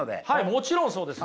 もちろんそうです。